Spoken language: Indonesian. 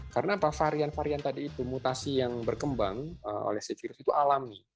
karena varian varian tadi itu mutasi yang berkembang oleh virus itu alami